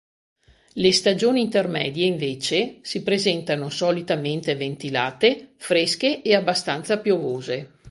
Le stagioni intermedie invece, si presentano solitamente ventilate, fresche e abbastanza piovose.